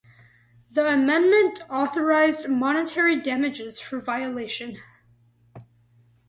The amendment authorized monetary damages for violation.